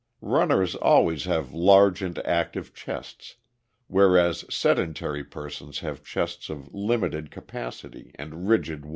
] "Runners always have large and active chests, whereas sedentary persons have chests of limited capacity and rigid walls.